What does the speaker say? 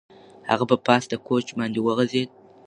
هغه په پاسته کوچ باندې وغځېد.